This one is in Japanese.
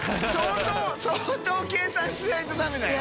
蠹計算しないとダメだよ。